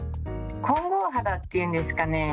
混合肌っていうんですかね